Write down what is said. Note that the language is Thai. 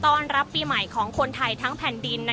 ต้อนรับปีใหม่ของคนไทยทั้งแผ่นดินนะคะ